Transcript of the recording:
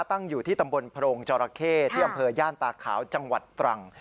ตั้งอยู่ที่ตำบลโพรงจอราเข้ที่อำเภอย่านตาขาวจังหวัดตรัง